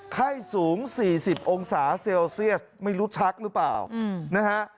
ไข้สูง๔๐องศาเซลเซียสไม่รู้ชักหรือเปล่านะฮะ